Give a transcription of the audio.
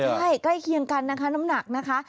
ใช่ใกล้เคียงกันนะคะน้ำหนักนะคะ